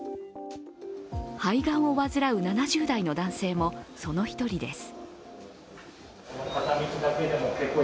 肺がんを患う７０代の男性もその一人です。